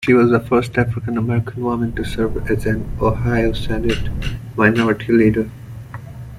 She was the first African-American woman to serve as Ohio Senate minority leader.